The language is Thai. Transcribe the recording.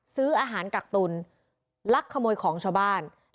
ซื้ออาหารกักตุลักขโมยของชาวบ้าน